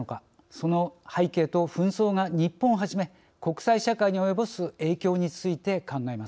その背景と紛争が日本をはじめ国際社会に及ぼす影響について考えます。